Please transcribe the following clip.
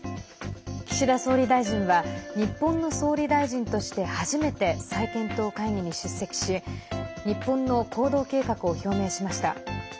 岸田総理大臣は日本の総理大臣として初めて再検討会議に出席し日本の行動計画を表明しました。